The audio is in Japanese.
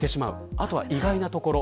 あとは意外なところ。